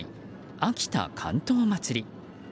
秋田竿燈まつり。